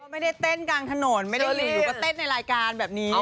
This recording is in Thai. ไม่ได้เต้นกลางถนนไม่ได้รีหนูก็เต้นในรายการแบบนี้